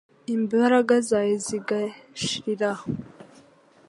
imbaraga zawe zigashirira aho.